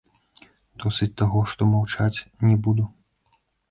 Досыць таго, што маўчаць не буду.